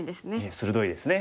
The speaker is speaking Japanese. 鋭いですね。